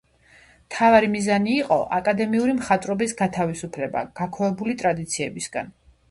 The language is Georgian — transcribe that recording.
მთავარი მიზანი იყო აკადემიური მხატვრობის გათავისუფლება გაქვავებული ტრადიციებისგან.